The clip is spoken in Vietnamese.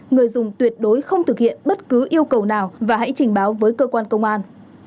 người dùng tuyệt đối không thực hiện bất cứ yêu cầu nào và hãy trình báo với cơ quan công an